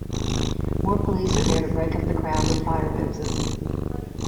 More police are there to break up the crowd with fire hoses.